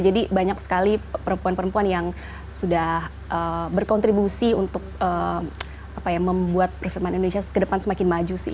jadi banyak sekali perempuan perempuan yang sudah berkontribusi untuk membuat perfilman indonesia ke depan semakin maju sih